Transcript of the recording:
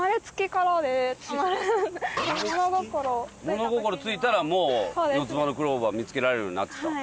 物心ついたらもう四つ葉のクローバー見つけられるようになってたの？